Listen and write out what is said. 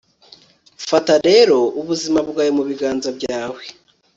fata rero ubuzima bwawe mu biganza byawe